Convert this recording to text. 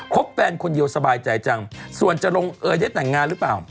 แฟนคนเดียวสบายใจจังส่วนจะลงเอยได้แต่งงานหรือเปล่า